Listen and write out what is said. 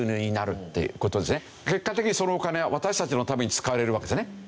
結果的にそのお金は私たちのために使われるわけですね。